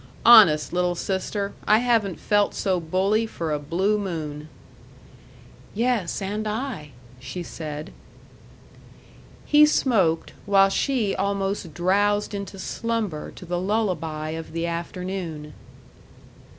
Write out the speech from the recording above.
Honest, little sister, I haven't felt so bully for a blue moon." "Yes, and I " she said. He smoked, while she almost drowsed into slumber to the lullaby of the afternoon.